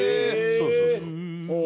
そうそうそう。